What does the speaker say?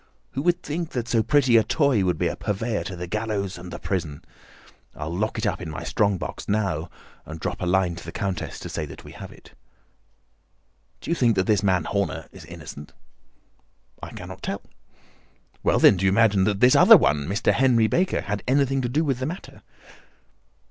Who would think that so pretty a toy would be a purveyor to the gallows and the prison? I'll lock it up in my strong box now and drop a line to the Countess to say that we have it." "Do you think that this man Horner is innocent?" "I cannot tell." "Well, then, do you imagine that this other one, Henry Baker, had anything to do with the matter?"